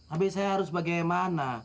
abis itu saya harus bagaimana